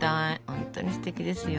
本当にすてきですよ。